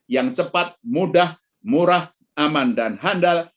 yang cepat mudah murah aman dan handal